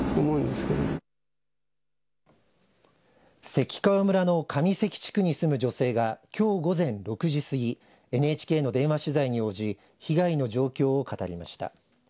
関川村の上関地区に住む女性がきょう午前６時過ぎＮＨＫの電話取材に応じ被害の状況を語りました。